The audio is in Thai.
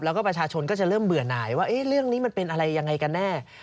แล้วก็ประชาชนก็จะเริ่มเบื่อหน่ายว่าเรื่องนี้มันเป็นอะไรยังไงกันแน่